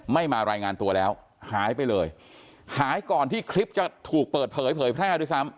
มารายงานตัวแล้วหายไปเลยหายก่อนที่คลิปจะถูกเปิดเผยเผยแพร่ด้วยซ้ำ